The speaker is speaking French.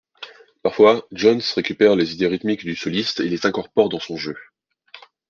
Parfois, Jones récupère les idées rythmiques du soliste et les incorpore dans son jeu.